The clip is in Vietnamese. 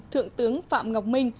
thượng tướng phạm ngọc minh